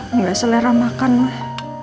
enggak selera makan mah